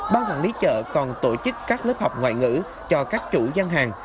bác quản lý chợ còn tổ chức các lớp học ngoại ngữ cho các chủ dân hàng